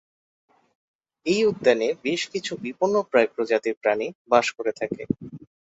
এই উদ্যানে বেশ কিছু বিপন্নপ্রায় প্রজাতির প্রাণী বাস করে থাকে।